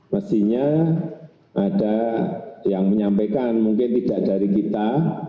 mestinya ada yang menyampaikan mungkin tidak dari kita